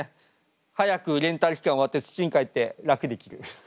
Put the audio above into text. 早くレンタル期間終わって土にかえって楽できる。